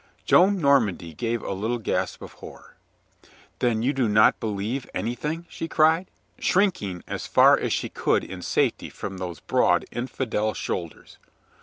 Joan Normandy gave a little gasp of horror. "Then do you not believe anything?" she cried, shrinking as far as she could in safety from those broad infidel shoulders.